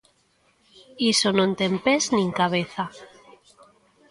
Iso non ten pés nin cabeza.